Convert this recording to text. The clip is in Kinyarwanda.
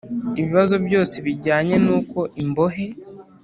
ibibazo byose bijyanye n uko imbohe